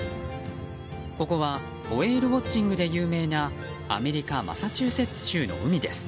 ここはホエールウォッチングで有名なアメリカ・マサチューセッツ州の海です。